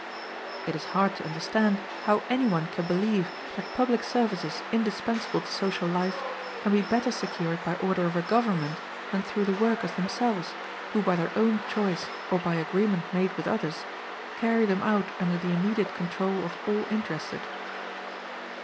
It is hard to understand how anyone can believe that public services indispensable to social life can be better secured by order of a government than through the workers themselves, who by their own choice or by agreement made with others, carry them out under the immediate control of all interested.